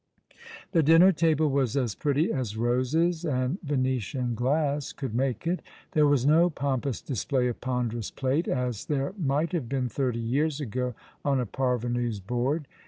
The dinner table was as pretty as roses and Venetian glass could make it. There was no pompous display of j^onderous plate, as there might have been thirty years ago on a parvenu's board.